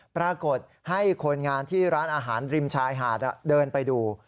ปรากฏให้คนงานที่ร้านอาหารริมชายหาดเดินไปดู